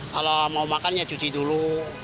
kalau mau makan ya cuci dulu